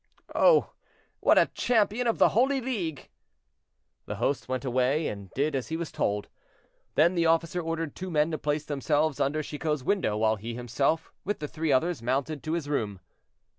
"Oh! what a champion of the Holy League." The host went away and did as he was told. Then the officer ordered two men to place themselves under Chicot's window, while he himself, with the three others, mounted to his room.